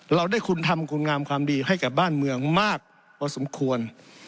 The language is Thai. เราได้คุณทำคุณงามความดีให้กับบ้านเมืองมากพอสมควร